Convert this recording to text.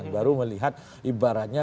baru melihat ibaratnya